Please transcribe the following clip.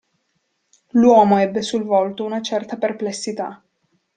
L'uomo ebbe sul volto una certa perplessità.